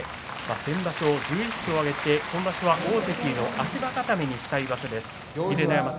先場所は１１勝を挙げて今場所は大関への足場固めにしたい場所です。